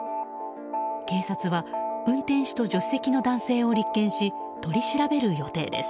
警察は運転手と助手席の男性を立件し取り調べる予定です。